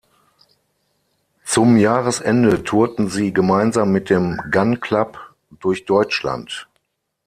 Zum Jahresende tourten sie gemeinsam mit dem Gun Club durch Deutschland.